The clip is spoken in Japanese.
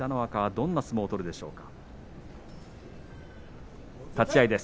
どんな相撲を取るでしょうか。